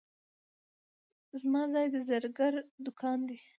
زما ځای د زرګر دوکان دی.